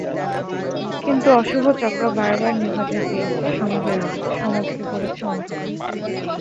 কিন্তু অশুভ চক্র বারবার নেভাতে চেয়েছে সমাজের আলো, সমাজকে করেছে অন্ধকার।